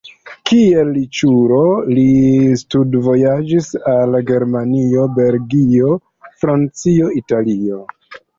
Kiel riĉulo li studvojaĝis al Germanio, Belgio, Francio, Italio.